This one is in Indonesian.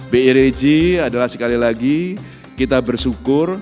bi regi adalah sekali lagi kita bersyukur